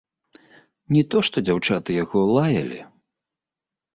Не то што дзяўчаты яго лаялі.